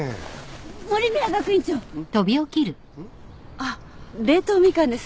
あっ冷凍みかんです。